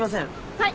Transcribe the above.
はい。